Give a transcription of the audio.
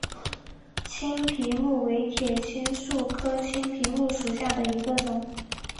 青皮木为铁青树科青皮木属下的一个种。